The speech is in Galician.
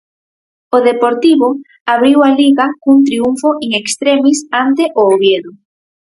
O Deportivo abriu a Liga cun triunfo in extremis ante o Oviedo.